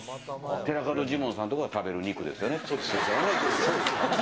寺門ジモンさんとかが食べるそうですよ。